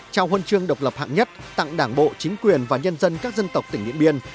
trao huân chương độc lập hạng nhất tặng đảng bộ chính quyền và nhân dân các dân tộc tỉnh điện biên